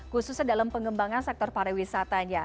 khususnya dalam pengembangan sektor pariwisatanya